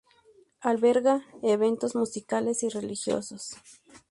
Alberga eventos musicales y religiosos.